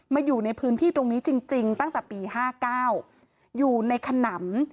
มาอยู่ในพื้นที่ตรงนี้จริงจริงตั้งแต่ปีห้าเก้าอยู่ในขนำ